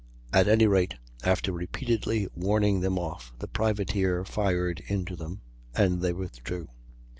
At any rate, after repeatedly warning them off, the privateer fired into them, and they withdrew.